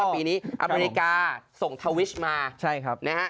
ปีนี้อเมริกาส่งทาวิชมา